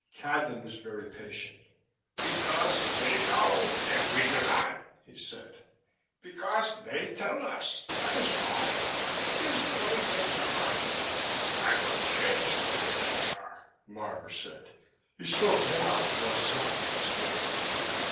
Cadnan was very patient. "Because they know, and we do not," he said. "Because they tell us, that is all. It is the way things are." "I will change the way things are," Marvor said. He spoke now more softly still.